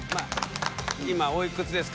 今おいくつですか？